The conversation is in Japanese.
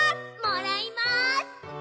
もらいます！